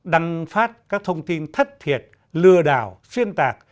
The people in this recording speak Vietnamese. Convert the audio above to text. đăng phát các thông tin thất thiệt lừa đảo xuyên tạc